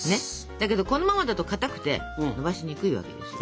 だけどこのままだとかたくてのばしにくいわけですよ。